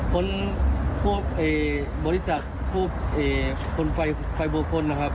คนพวกเอ่ยบริษัทพวกเอ่ยคนไฟไฟบุคคลนะครับ